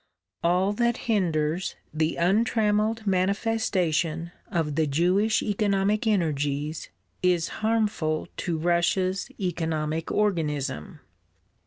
All that hinders the untrammelled manifestation of the Jewish economic energies is harmful to Russia's economic organism.